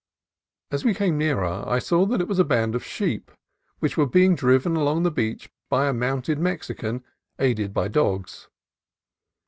As we came nearer I saw that it was a band of sheep, which were being driven along the beach by a mounted Mexican, aided by dogs.